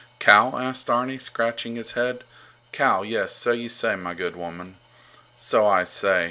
Cow? asked Arni, scratching his head. Cow? Yes, so you say, my good woman. So I say?